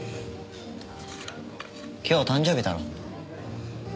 今日誕生日だろ？